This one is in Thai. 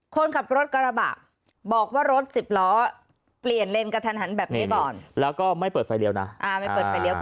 คนขับรถกระบะบอกว่ารถสิบล้อเปลี่ยนเลนกระทันหันแบบนี้ก่อนแล้วก็ไม่เปิดไฟเลี้ยนะ